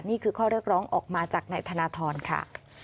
นี่คือข้อเรียกร้องออกมาจากนายธนทรค่ะ